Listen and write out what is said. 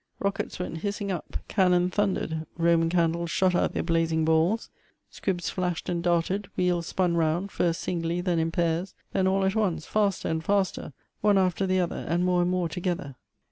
Rockets went hissing up — cannon thundered — Roman candles shot out their blazing balls — squibs flashed and darted — wheels s])un round, fii'st singly, then in pairs, then all at once, faster and faster, one after the other, and more and more together.